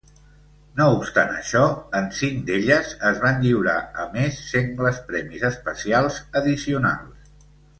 No obstant això, en cinc d'elles es van lliurar a més sengles premis especials addicionals.